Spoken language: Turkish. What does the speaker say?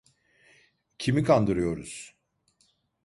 Kimi kandırıyoruz?